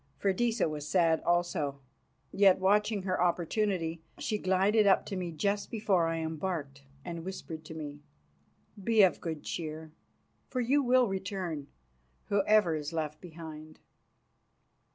Freydisa was sad also. Yet, watching her opportunity, she glided up to me just before I embarked and whispered to me, "Be of good cheer, for you will return, whoever is left behind."